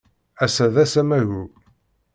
Ass-a d ass amagu.